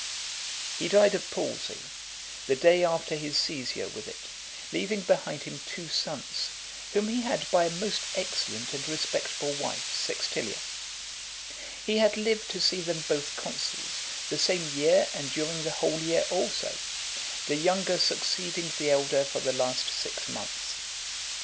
III. He died of palsy, the day after his seizure with it, leaving behind him two sons, whom he had by a most excellent and respectable wife, Sextilia. He had lived to see them both consuls, the same year and during the whole year also; the younger succeeding the elder for the last six months .